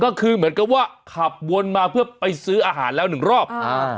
ก็คือเหมือนกับว่าขับวนมาเพื่อไปซื้ออาหารแล้วหนึ่งรอบอ่า